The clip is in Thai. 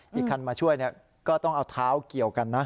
อีกคันมาช่วยก็ต้องเอาเท้าเกี่ยวกันนะ